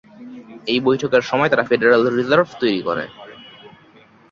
এই বৈঠকের সময় তারা ফেডারেল রিজার্ভ তৈরি করে।